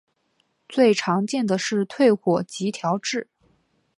最常见的是退火及调质。